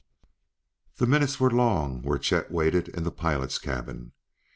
The minutes were long where Chet waited in the pilot's cabin.